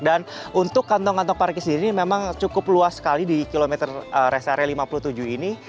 dan untuk kantong kantong parkir sendiri memang cukup luas sekali di kilometer rest area lima puluh tujuh ini